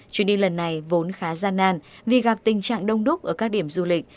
chuyến đi lần này vốn khá gian nan vì gặp tình trạng đông đúc ở các điểm du lịch